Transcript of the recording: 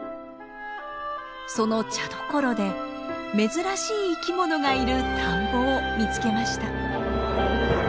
その茶どころで珍しい生き物がいる田んぼを見つけました。